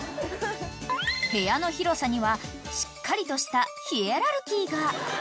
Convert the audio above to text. ［部屋の広さにはしっかりとしたヒエラルキーが］